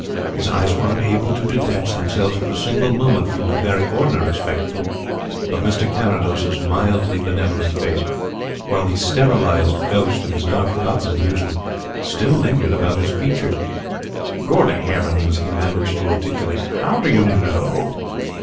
His eyes were unable to detach themselves for a single moment from the very ordinary spectacle of Mr. Carrados's mildly benevolent face, while the sterilized ghost of his now forgotten amusement still lingered about his features. "Good heavens!" he managed to articulate, "how do you know?"